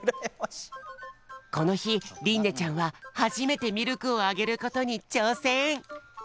このひりんねちゃんははじめてミルクをあげることにちょうせん！